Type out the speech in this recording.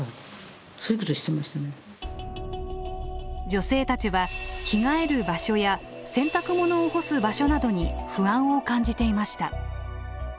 女性たちは着替える場所や洗濯物を干す場所などに不安を感じていました。